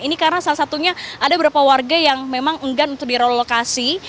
ini karena salah satunya ada beberapa warga yang memang enggan untuk direlokasi